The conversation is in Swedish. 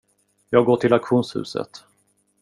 Jag går till auktionshuset.